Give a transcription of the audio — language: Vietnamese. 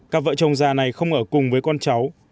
các vợ chồng già này không ở cùng với con cháu